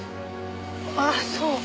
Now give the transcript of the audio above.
ああそう。